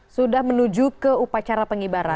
sudah menuju ke upacara pengibaran